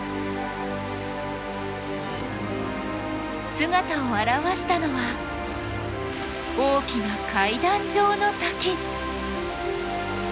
姿を現したのは大きな階段状の滝！